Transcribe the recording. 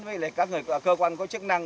với các cơ quan có chức năng